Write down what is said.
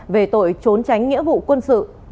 về tội trốn tránh nghĩa vụ quân sự